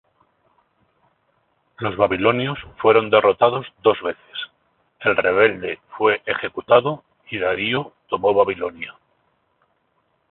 Los babilonios fueron derrotados dos veces, el rebelde fue ejecutado y Darío tomó Babilonia.